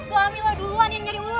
suami lo duluan yang nyari ulah